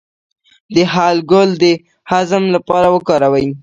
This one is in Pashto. د هل ګل د هضم لپاره وکاروئ